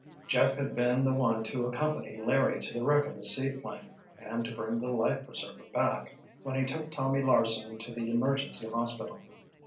—— Jeff had been the one to accompany Larry to the wreck of the seaplane, and to bring the life preserver back, when he took Tommy Larsen to the emergency hospital.